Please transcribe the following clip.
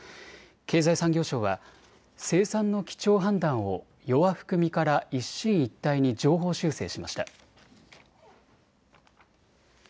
経済産業省は生産の基調判断を弱含みから一進一退に上方修正しました。